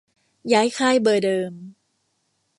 ย้ายค่ายเบอร์เดิม